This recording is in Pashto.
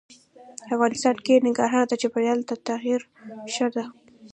افغانستان کې ننګرهار د چاپېریال د تغیر نښه ده.